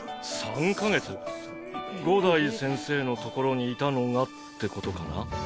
五代先生のところにいたのがってことかな？